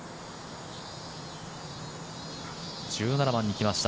１７番に来ました